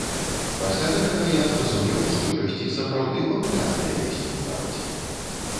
Пасля гэтага я зразумеў, што ёсць і сапраўды папулярныя песні ў народзе.